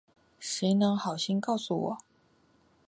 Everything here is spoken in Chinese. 谁能好心告诉我